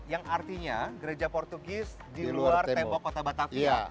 yang artinya gereja portugis di luar tembok kota batavia